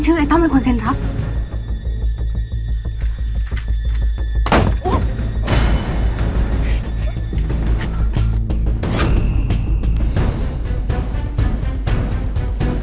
ด้วยดูครับไม่มีตั้งใจ